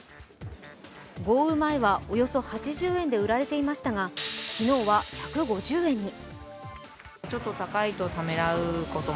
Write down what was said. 豪雨前は、およそ８０円で売られていましたが、昨日は１５０円に。